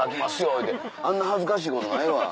言うてあんな恥ずかしいことないわ。